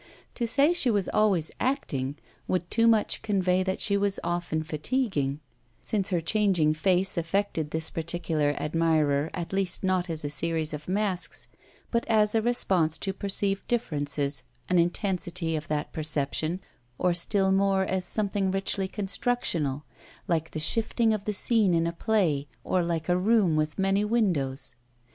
To say she was always acting would too much convey that she was often fatiguing; since her changing face affected this particular admirer at least not as a series of masks, but as a response to perceived differences, an intensity of that perception, or still more as something richly constructional, like the shifting of the scene in a play or like a room with many windows.